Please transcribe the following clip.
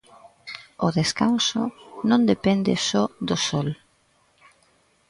O descanso non depende só do sol.